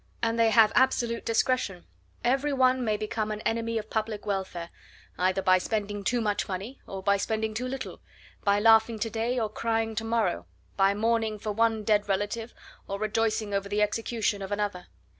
And they have absolute discretion; every one may become an enemy of public welfare, either by spending too much money or by spending too little, by laughing to day or crying to morrow, by mourning for one dead relative or rejoicing over the execution of another.